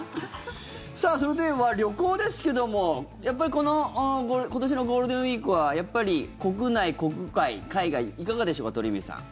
それでは、旅行ですけどもやっぱり、この今年のゴールデンウィークはやっぱり国内、国外、海外いかがでしょうか、鳥海さん。